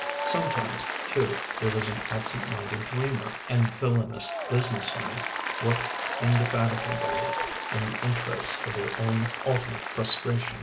Sometimes, too, there was an absent minded dreamer, and villainous business men worked indefatigably in the interests of their own ultimate frustration.